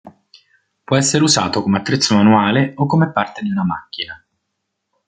Può essere usato come attrezzo manuale o come parte di una macchina.